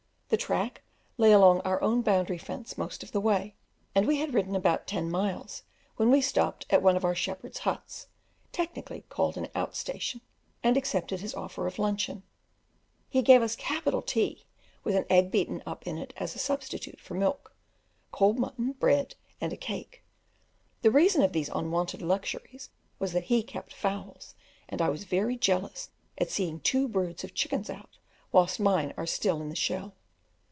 The track lay along our own boundary fence most of the way, and we had ridden about ten miles, when we stopped at one of our shepherds' huts, technically called an out station, and accepted his offer of luncheon. He gave us capital tea, with an egg beaten up in it as a substitute for milk, cold mutton, bread, and a cake; the reason of these unwonted luxuries was that he kept fowls, and I was very jealous at seeing two broods of chickens out, whilst mine are still in the shell.